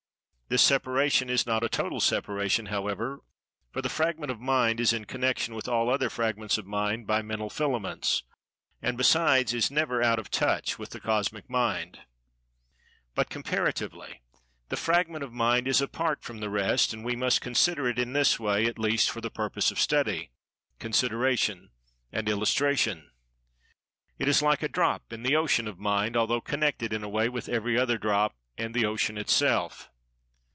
This separation is not a total separation, however, for the fragment of Mind is in connection with all other fragments of Mind, by "mental filaments," and besides is never out of touch with the Cosmic Mind.[Pg 204] But, comparatively, the fragment of Mind is apart from the rest, and we must consider it in this way, at least for the purpose of study, consideration, and illustration. It is like a drop in the Ocean of Mind, although connected, in a way, with every other drop, and the Ocean itself.